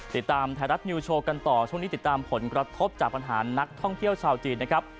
ติดตามไทยรัฐนิวโชว์กันต่อช่วงนี้ติดตามผลกระทบจากปัญหานักท่องเที่ยวชาวจีนนะครับ